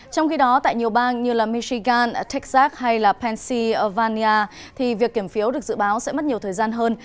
trong khi đó tại nhiều bang như michigan texas hay pennsylvania việc kiểm phiếu được dự báo sẽ mất nhiều thời gian hơn